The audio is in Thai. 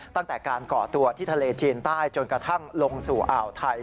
ตั้งแต่การก่อตัวที่ทะเลจีนใต้จนกระทั่งลงสู่อ่าวไทย